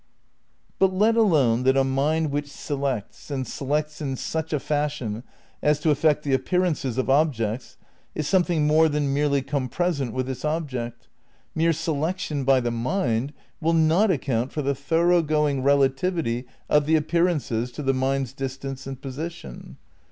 But let alone that a mind which selects, and selects in such a fashion as to affect the appearances of ob jects, is something more than merely compresent with its object, mere selection by the mind will not account for the thorough going relativity of the appearances to the mind's distance and position.